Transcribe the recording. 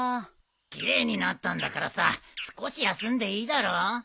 奇麗になったんだからさ少し休んでいいだろ？